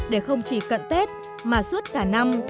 để không chỉ cận tết mà suốt cả năm